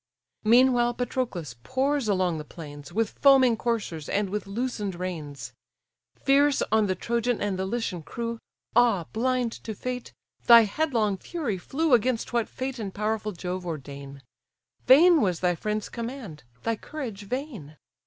Meanwhile Patroclus pours along the plains, With foaming coursers, and with loosen'd reins. Fierce on the Trojan and the Lycian crew, Ah blind to fate! thy headlong fury flew: Against what fate and powerful Jove ordain, Vain was thy friend's command, thy courage vain.